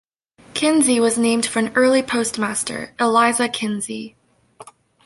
Kinsey was named for an early postmaster, Eliza Kinsey.